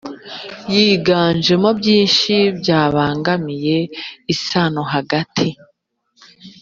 yiganjemo byinshi byabangamiye isano hagati